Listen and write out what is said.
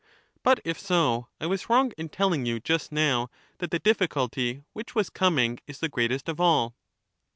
But, if so, I was wrong in telling you just now that the difficulty which was coming is the greatest of all.